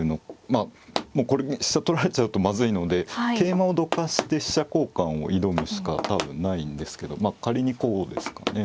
まあもうこれで飛車取られちゃうとまずいので桂馬をどかして飛車交換を挑むしか多分ないんですけどまあ仮にこうですかね。